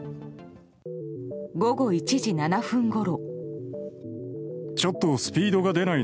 午後１時７分ごろ。